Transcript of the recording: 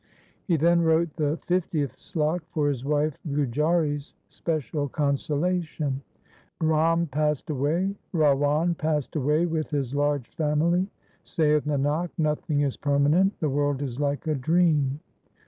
He then wrote the fiftieth slok for his wife Gujari's special consolation :— Ram passed away, Rawan passed away with his large family ; Saith Nanak, nothing is permanent ; the world is like a dream.